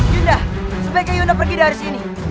yunda sebaiknya yunda pergi dari sini